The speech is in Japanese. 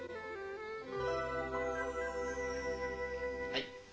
はい。